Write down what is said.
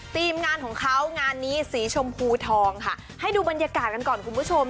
ทีมงานของเขางานนี้สีชมพูทองค่ะให้ดูบรรยากาศกันก่อนคุณผู้ชม